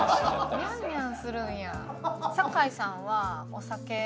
ニャンニャンするんや。